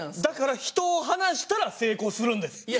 だから人を離したら成功するんです。